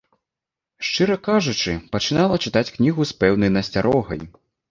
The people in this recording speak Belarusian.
Шчыра кажучы, пачынала чытаць кнігу з пэўнай насцярогай.